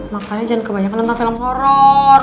makanya jangan kebanyakan tentang film horror